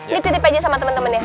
dititip aja sama temen temen ya